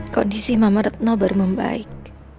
kondisi mama retno baru membaik